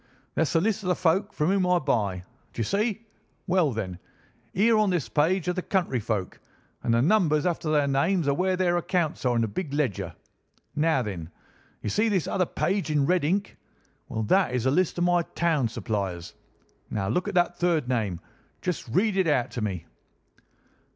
"That's the list of the folk from whom I buy. D'you see? Well, then, here on this page are the country folk, and the numbers after their names are where their accounts are in the big ledger. Now, then! You see this other page in red ink? Well, that is a list of my town suppliers. Now, look at that third name. Just read it out to me."